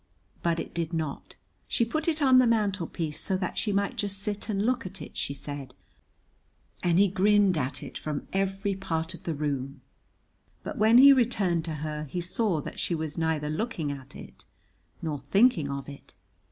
But it did not. She put it on the mantelpiece so that she might just sit and look at it, she said, and he grinned at it from every part of the room, but when he returned to her, he saw that she was neither looking at it nor thinking of it.